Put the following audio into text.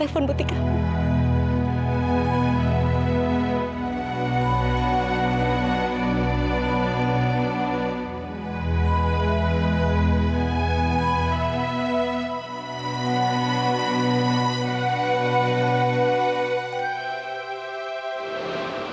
telepon butik kamu